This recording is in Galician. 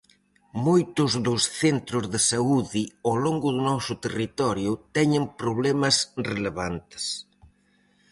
Moitos dos centros de saúde ao longo do noso territorio teñen problemas relevantes.